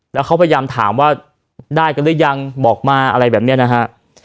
แล้วเขาพยายามถามว่าได้กันหรือยังบอกมาอะไรแบบนี้นะฮะ